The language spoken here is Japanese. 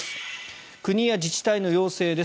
国や自治体の要請です。